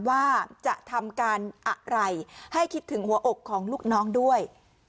ว่าจะทำการอะไรให้คิดถึงหัวอกของลูกน้องด้วย